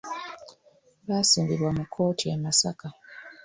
Basimbibwa mu kkooti e Masaka.